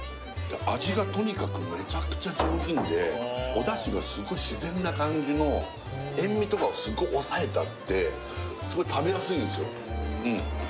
味がとにかくめちゃくちゃ上品でお出汁がスゴイ自然な感じの塩味とかはスゴイ抑えてあってスゴイ食べやすいんですよ